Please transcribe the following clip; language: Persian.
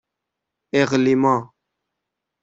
اِقلیما